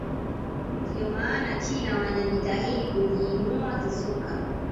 ndio maana china wanajitahidi kujiinua kisoka